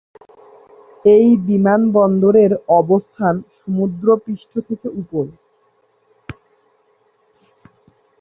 এই বিমানবন্দরের অবস্থান সমুদ্রপৃষ্ঠ থেকে উপরে।